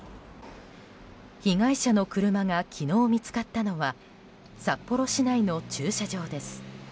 被害者の車が昨日、見つかったのは札幌市内の駐車場です。